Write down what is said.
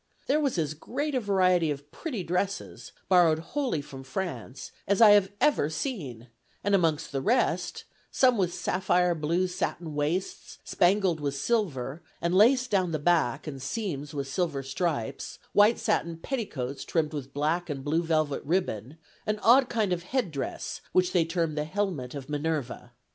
There was as great a variety of pretty dresses, borrowed wholly from France, as I have ever seen; and amongst the rest, some with sapphire blue satin waists, spangled with silver, and laced down the back and seams with silver stripes; white satin petticoats trimmed with black and blue velvet ribbon; an odd kind of head dress, which they term the 'helmet of Minerva.'